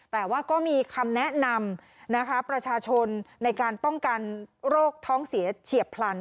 แต่ว่าก็มีคำแนะนำนะคะประชาชนในการป้องกันโรคท้องเสียเฉียบพลัน